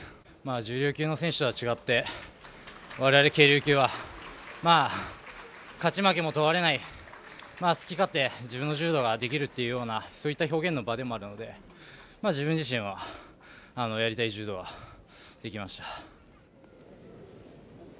重量級の選手とは違ってわれわれ軽量級は勝ち負けも問われない好き勝手自分の柔道ができるというようなそういった表現の場でもあるので自分自身はやりたい柔道はできました。